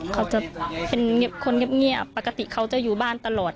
เขาจะเป็นคนเงียบปกติเขาจะอยู่บ้านตลอด